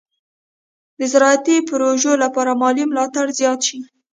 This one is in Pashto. د زراعتي پروژو لپاره مالي ملاتړ زیات شي.